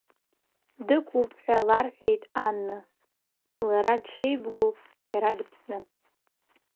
Дықәуп ҳәа ларҳәеит Анна, лара дшеибгоу, иара дыԥсны…